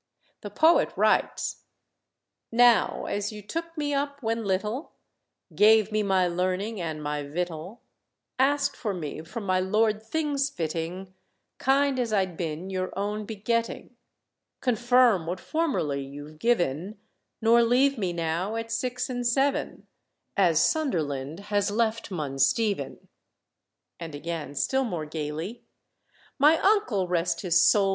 The poet writes "Now, as you took me up when little, Gave me my learning and my vittle, Asked for me from my lord things fitting, Kind as I'd been your own begetting, Confirm what formerly you've given, Nor leave me now at six and seven, As Sunderland has left Mun Stephen." And again, still more gaily "My uncle, rest his soul!